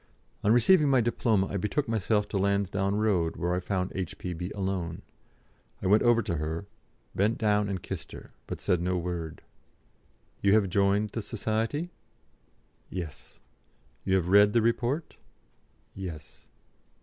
On receiving my diploma I betook myself to Lansdowne Road, where I found H.P.B. alone. I went over to her, bent down and kissed her, but said no word. "You have joined the Society?" "Yes." "You have read the report?" "Yes."